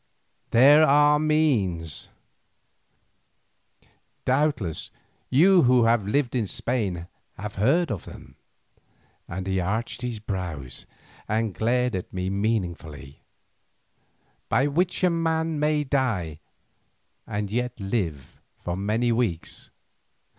There are means, doubtless you who have lived in Spain have heard of them," and he arched his brows and glared at me meaningly, "by which a man may die and yet live for many weeks.